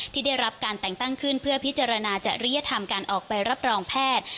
ที่ได้รับการแต่งตั้งขึ้นเพื่อพิจารณาจริยธรรมการออกไปรับรองแพทย์